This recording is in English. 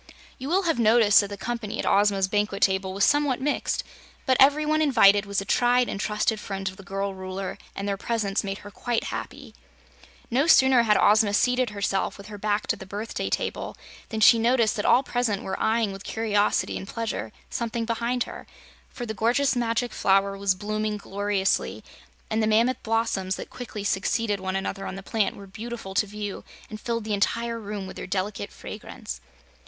You will have noticed that the company at Ozma's banquet table was somewhat mixed, but every one invited was a tried and trusted friend of the girl Ruler, and their presence made her quite happy. No sooner had Ozma seated herself, with her back to the birthday table, than she noticed that all present were eyeing with curiosity and pleasure something behind her, for the gorgeous Magic Flower was blooming gloriously and the mammoth blossoms that quickly succeeded one another on the plant were beautiful to view and filled the entire room with their delicate fragrance.